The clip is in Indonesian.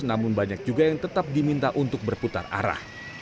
namun banyak juga yang tetap diminta untuk berputar arah